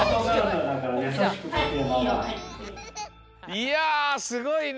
いやすごいね。